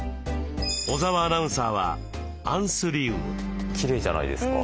小澤アナウンサーはきれいじゃないですか。